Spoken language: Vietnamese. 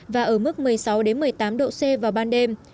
và ở mức một mươi sáu một mươi tám độ c vào ban đêm